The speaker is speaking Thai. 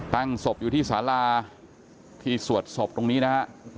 ตั้งศพอยู่ที่สาราที่สวดศพตรงนี้นะฮะ